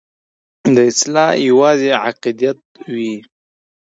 دا اصلاً یوازې عقیدت وي.